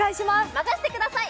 任せてください